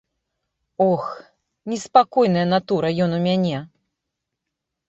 Ох, неспакойная натура ён у мяне!